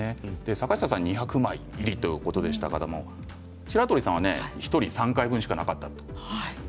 坂下さんは２００枚入りということでしたが白鳥さんは１人３回分しかなかったんですよね。